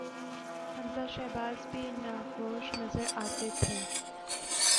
حمزہ شہباز بھی ناخوش نظر آتے تھے۔